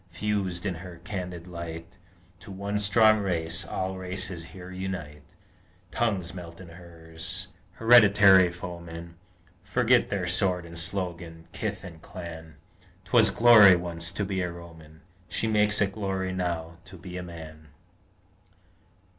Fused in her candid light, To one strong race all races here unite: Tongues melt in hers, hereditary foemen Forget their sword and slogan, kith and clan: 'Twas glory, once, to be a Roman: She makes it glory, now, to be a man!